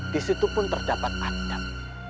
di situ pun terdapat adat